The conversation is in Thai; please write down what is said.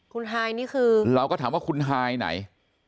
คุณฮายนี่คือเราก็ถามว่าคุณฮายไหน